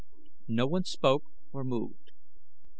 No one spoke or moved.